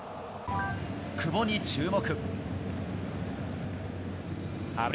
久保に注目。